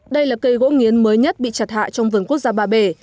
đây là cây gỗ nghiến mới nhất bị chặt hạ trong vườn quốc gia ba bể